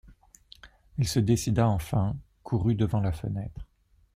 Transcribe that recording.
Elle se décida enfin, courut devant la fenêtre.